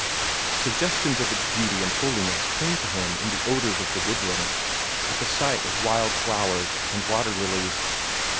Suggestions of its beauty and holiness came to him in the odors of the woodland, at the sight of wild flowers and water lilies.